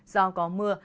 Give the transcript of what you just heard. do có mưa